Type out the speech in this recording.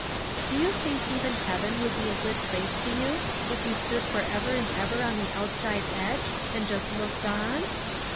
Do you think even heaven would be a good place to you if you stood for ever and ever on the outside edge and just looked on?"